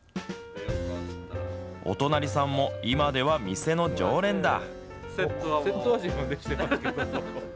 お隣さんも、今では店の常連だ。